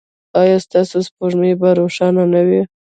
ایا ستاسو سپوږمۍ به روښانه نه وي؟